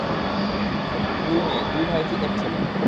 আর দুই মেয়ে, দুই ভাইঝি, এক ছেলে।